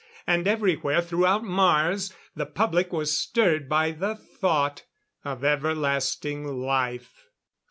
And everywhere throughout Mars the public was stirred by the thought of everlasting life.